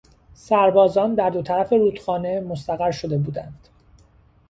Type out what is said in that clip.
سربازان در دو طرف رودخانه مستقر شده بودند.